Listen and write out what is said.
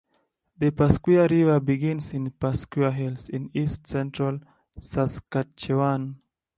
The Pasquia River begins in the Pasquia Hills in east central Saskatchewan.